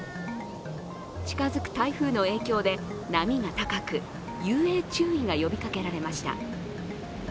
近づく台風の影響で波が高く、遊泳注意が呼びかけられました。